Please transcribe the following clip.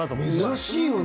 珍しいよね。